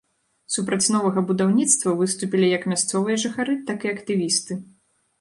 Супраць новага будаўніцтва выступілі як мясцовыя жыхары, так і актывісты.